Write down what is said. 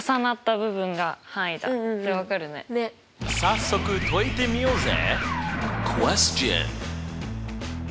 早速解いてみようぜ！